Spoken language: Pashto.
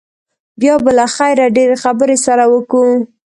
بيا به له خيره ډېرې خبرې سره وکو.